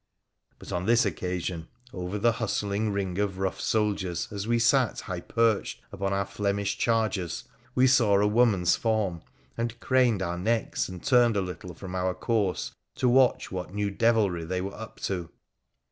But on this occasion, over the hustling ring of rough soldiers, as we sat high perched upon our Flemish chargers, we saw a woman's form, and craned our necks and turned a little from our course to watch what new devilry they were up to.